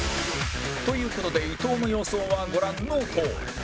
という事で伊藤の予想はご覧のとおり